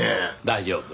大丈夫。